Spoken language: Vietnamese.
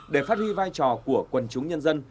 để phát huy vai trò của quần chúng nhân dân